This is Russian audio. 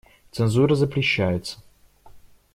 Цензура запрещается.